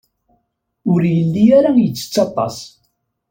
Ur yelli ara yettett aṭas.